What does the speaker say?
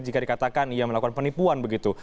jika dikatakan ia melakukan penipuan begitu